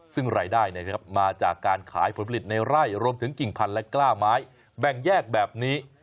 ซึ่งรายได้มาจากการขายผลผลิตในไร่รวมถึงกิ่งพันธุ์และกล้าไม้แบ่งแยกแบบนี้